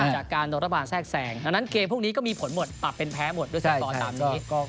จากการโดนระบาดแทรกแสงดังนั้นเกมพวกนี้ก็มีผลหมดปรับเป็นแพ้หมดด้วยสกอร์ตามนี้